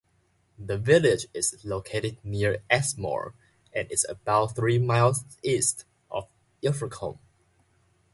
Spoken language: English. The village is located near Exmoor and is about three miles east of Ilfracombe.